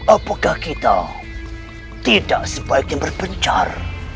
apakah kita tidak sebaiknya berpencar